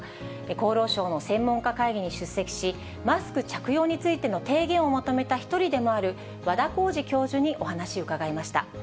厚労省の専門家会議に出席し、マスク着用についての提言をまとめた一人でもある、和田耕治教授にお話を伺いました。